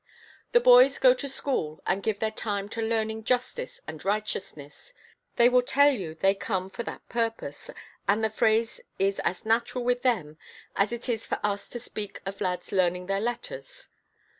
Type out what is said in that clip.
The boys go to school and give their time to learning justice and righteousness: they will tell you they come for that purpose, and the phrase is as natural with them as it is for us to speak of lads learning their letters.